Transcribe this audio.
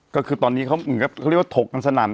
ก็คือตอนนี้เค้าเรียกว่าถกนันสนั่น